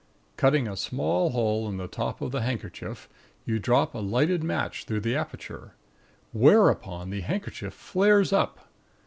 Cutting a small hole in the top of the handkerchief, you drop a lighted match through the aperture; whereupon the handkerchief flares up.